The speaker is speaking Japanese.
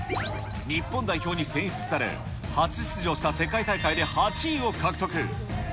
日本代表に選出され、初出場した世界大会で８位を獲得。